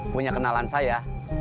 punya kenalan saya